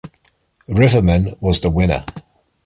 Rivermen was the winner.